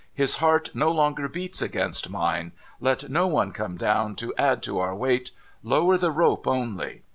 His heart no longer beats against mine. Let no one come down, to add to our weight. Lower the rope only.'